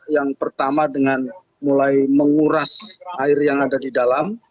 yang pertama dengan mulai menguras air yang ada di dalam